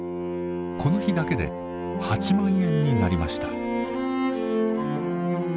この日だけで８万円になりました。